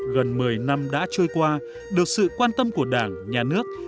gần một mươi năm đã trôi qua được sự quan tâm của đảng nhà nước